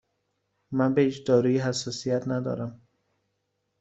من به هیچ دارویی حساسیت ندارم.